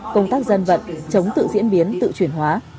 công tác dân vận chống tự diễn biến tự chuyển hóa